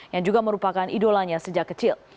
yang juga merupakan idolanya sejak kecil